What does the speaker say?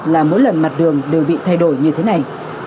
là mỗi lần mặt đường đều bị thay đổi như thế này